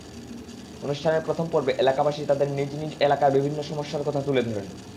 অনুষ্ঠানের প্রথম পর্বে এলাকাবাসী তাঁদের নিজ নিজ এলাকার বিভিন্ন সমস্যার কথা তুলে ধরেন।